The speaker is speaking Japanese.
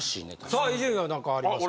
さあ伊集院は何かありますか？